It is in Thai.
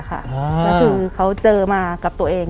ก็คือเขาเจอมากับตัวเอง